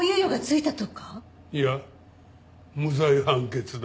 いや無罪判決だ。